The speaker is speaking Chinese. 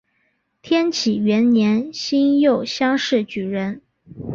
天启元年辛酉乡试举人。